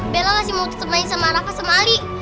bella ngasih mau jemigosin rafa sama ali